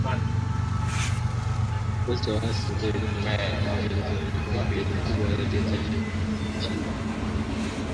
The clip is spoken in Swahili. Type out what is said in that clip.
Kikosi cha Waasi tokea Uganda ni mmoja ya makundi yanayofanya ukatili mkubwa kati ya zaidi ya makundi Mia Moja ishirini yaliyopo